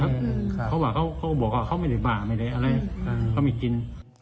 เขาบอกว่าเขาไม่ได้บ่าไม่ได้อะไรก็ไม่กิน